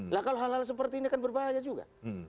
lah kalau hal hal seperti ini kan berbahaya juga